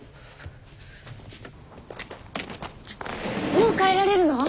もう帰られるの？